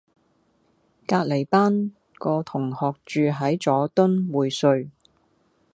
隔離班個同學住喺佐敦匯萃